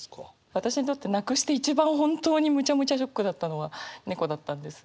私にとって亡くして一番本当にむちゃむちゃショックだったのは猫だったんです。